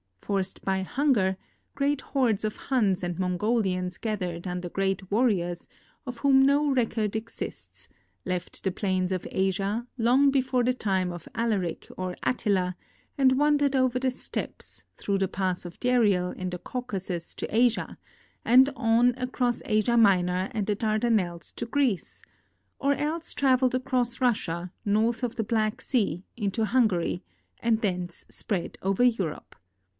Forced by hunger, great hordes of Huns and Mongolians gath ered under great warriors, of whom no record exists, left the plains of Asia, long before the time of Alaric or Attila, and wandered over the steppes, through the Pass of Dariel in tiie Caucasus to Asia, and on across Asia Minor and the Dardanelles to Greece, or else traveled across Russia, north of the lilack sea, into Hungary, and thence spread over Europe.